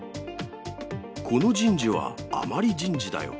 この人事は甘利人事だよ。